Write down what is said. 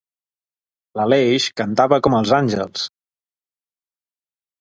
L'Aleix cantava com els àngels.